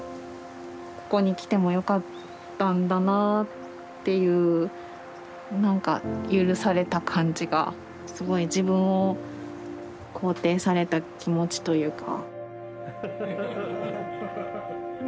ここに来てもよかったんだなぁっていう何か許された感じがすごい自分を肯定された気持ちというか。